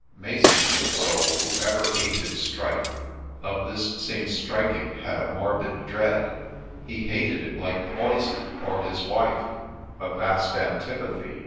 Mason, meek soul, who ever hated strife, Of this same striking had a morbid dread, He hated it like poison — or his wife — A vast antipathy